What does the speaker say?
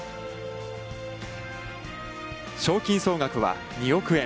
賞金総額は２億円。